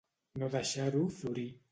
No deixar-ho florir.